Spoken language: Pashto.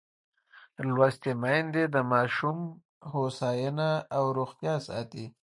لوستې میندې د ماشوم هوساینه او روغتیا ساتي.